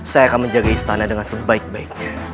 saya akan menjaga istana dengan sebaik baiknya